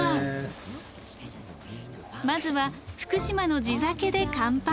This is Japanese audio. まずは福島の地酒で乾杯。